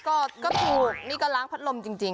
ก็ถูกนี่ก็ล้างพัดลมจริง